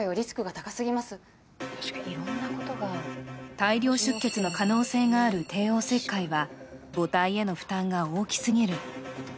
大量出血の可能性がある帝王切開は母体への負担が大きすぎる。